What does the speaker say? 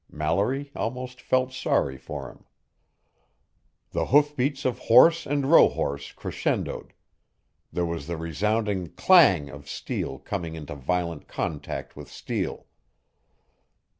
Mallory almost felt sorry for him. The hoofbeats of horse and rohorse crescendoed; there was the resounding clang! of steel coming into violent contact with steel.